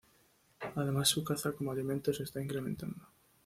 Además su caza como alimento se está incrementando.